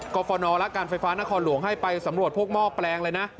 ฟนและการไฟฟ้านครหลวงให้ไปสำรวจพวกหม้อแปลงเลยนะ